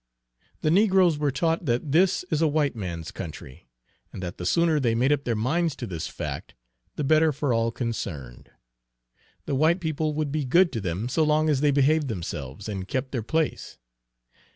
The negroes were taught that this is a white man's country, and that the sooner they made up their minds to this fact, the better for all concerned. The white people would be good to them so long as they behaved themselves and kept their place.